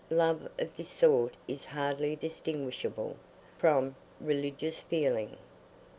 Love of this sort is hardly distinguishable from religious feeling.